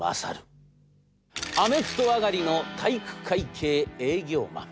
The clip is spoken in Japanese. アメフト上がりの体育会系営業マン。